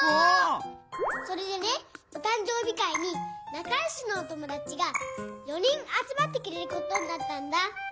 それでねおたん生日会になかよしのお友だちが４人あつまってくれることになったんだ。